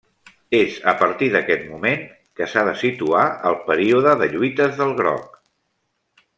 És a partir d'aquest moment que s'ha de situar el període de lluites del Groc.